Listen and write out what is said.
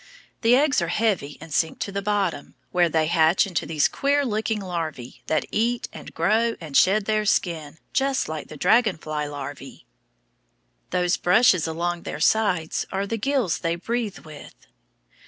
The eggs are heavy and sink to the bottom, where they hatch into these queer looking larvæ that eat and grow and shed their skin just like the dragon fly larvæ. Those brushes along their sides are the gills they breathe with.